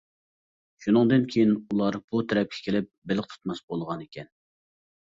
شۇنىڭدىن كېيىن ئۇلار بۇ تەرەپكە كېلىپ بېلىق تۇتماس بولغانىكەن.